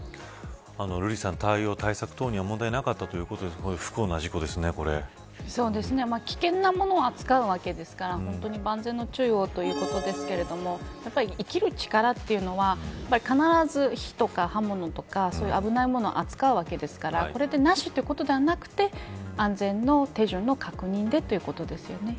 瑠麗さん、対応、対策等には問題なかったということですが危険な物を扱うわけですから本当に万全の注意をということですがやっぱり生きる力というのは必ず火とか刃物とかそういう危ない物を扱うわけですからこれでなしということではなくて安全の手順の確認でということですよね。